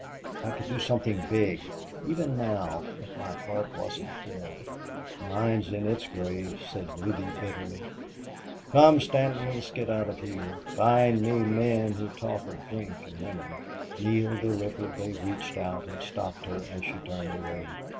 I could do something big even now if my heart wasn't dead." "Mine's in its grave," said Ruby, bitterly. "Come, Stanton, let's get out of this. Find me men who talk of drink and women." Neale deliberately reached out and stopped her as she turned away.